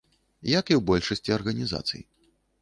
Як і ў большасці арганізацый.